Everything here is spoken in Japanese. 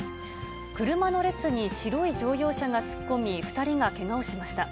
車の列に白い乗用車が突っ込み、２人がけがをしました。